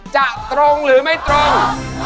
จะตรงหรือไม่ตรง